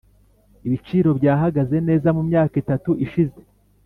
ibiciro byahagaze neza mumyaka itatu ishize.